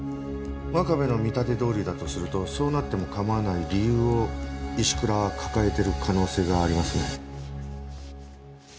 真壁の見立てどおりだとするとそうなっても構わない理由を石倉は抱えてる可能性がありますね。